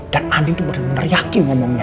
dan andi tuh bener bener yakin ngomongnya